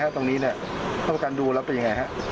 ตรงนี้เข้าไปกันดูแล้วไปอย่างไรครับ